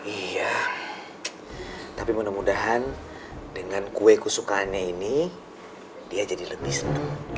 iya tapi mudah mudahan dengan kue kesukaannya ini dia jadi lebih senang